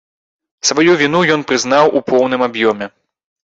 Сваю віну ён прызнаў у поўным аб'ёме.